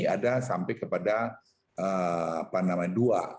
ada sampai kepada apa namanya dua